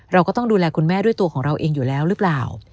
เราก็ต้องดูแลคุณแม่ด้วยตัวของเราเองอยู่แล้วหรือเปล่า